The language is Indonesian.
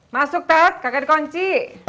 masuk tad kagak dikunci